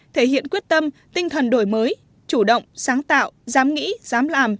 thể hiện quyết tâm tinh thần đổi mới chủ động sáng tạo dám nghĩ dám làm